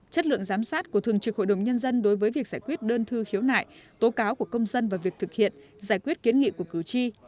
chất lượng giám sát của thường trực hội đồng nhân dân đối với việc giải quyết đơn thư khiếu nại tố cáo của công dân và việc thực hiện giải quyết kiến nghị của cử tri